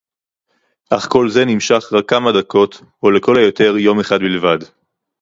אך כל זה נמשך רק כמה דקות או לכל היותר יום אחד בלבד.